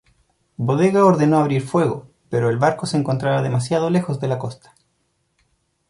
Bodega ordenó abrir fuego, pero el barco se encontraba demasiado lejos de la costa.